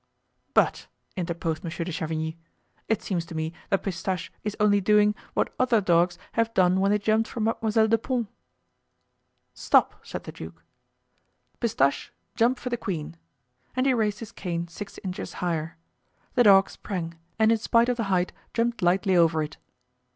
"But," interposed Monsieur de Chavigny, "it seems to me that Pistache is only doing what other dogs have done when they jumped for Mademoiselle de Pons." "Stop," said the duke, "Pistache, jump for the queen." And he raised his cane six inches higher. The dog sprang, and in spite of the height jumped lightly over it.